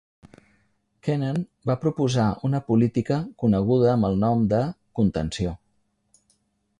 Kennan va proposar una política coneguda amb el nom de "contenció".